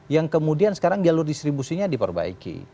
yang kemudian sekarang jalur distribusinya diperbaiki